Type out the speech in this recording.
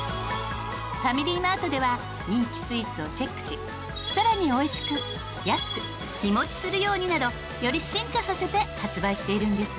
ファミリーマートでは人気スイーツをチェックし更においしく安く日持ちするようになどより進化させて発売しているんです。